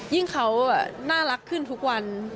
ยิ่งเขาน่ารักขึ้นทุกวัน